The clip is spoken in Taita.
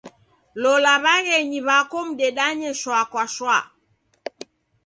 Lola w'aghenyu w'aku mdedanye shwaa kwa shwaa.